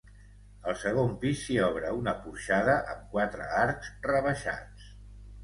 Al segon pis s'hi obre una porxada amb quatre arcs rebaixats.